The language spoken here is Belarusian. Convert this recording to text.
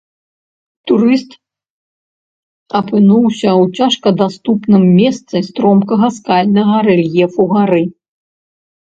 Турыст апынуўся ў цяжкадаступным месцы стромкага скальнага рэльефу гары.